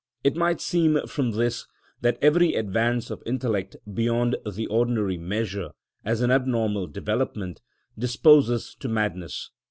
It might seem from this that every advance of intellect beyond the ordinary measure, as an abnormal development, disposes to madness.